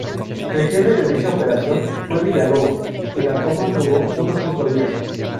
El jefe de dicha operación fue Villalobos y la toma duró unos cinco días.